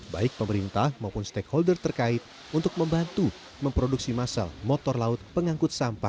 baik pemerintah maupun stakeholder terkait untuk membantu memproduksi masal motor laut pengangkut sampah